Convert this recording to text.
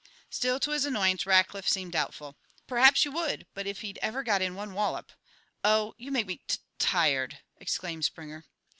Still, to his annoyance, Rackliff seemed doubtful. "Perhaps you would, but if he'd ever got in one wallop " "Oh, you make me tut tired!" exclaimed Springer.